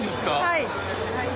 はい。